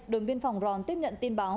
đồng biên phòng ròn tiếp nhận tin báo